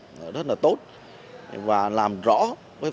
đối tượng đã phân loại đối tượng đối tượng đã phân loại đối tượng